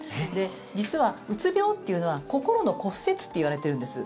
実は、うつ病というのは心の骨折っていわれてるんです。